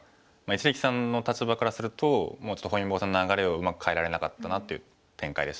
一力さんの立場からするとちょっと本因坊戦の流れをうまく変えられなかったなという展開でしたね。